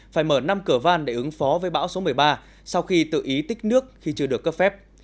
phải mở năm cửa van để ứng phó với bão số một mươi ba sau khi tự ý tích nước khi chưa được cấp phép